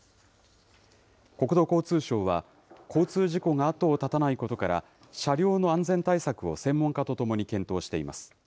国土交通省は、交通事故が後を絶たないことから、車両の安全対策を専門家と共に検討しています。